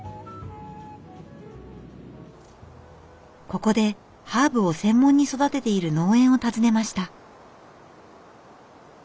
ここでハーブを専門に育てている農園を訪ねました。